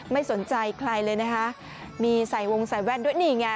ไม่สนใจใครเลยนะคะมีใส่วงใส่แว่นด้วยนี่ไง